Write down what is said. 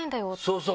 そうそう！